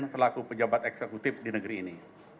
selaku pejabat eksekutif di negeri ini